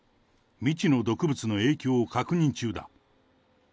未知の毒物の影響を確認中だ。